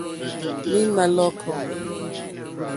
Lǐnà lɔ̀kɔ́.